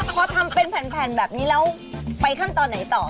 พอทำเป็นแผ่นแบบนี้แล้วไปขั้นตอนไหนต่อ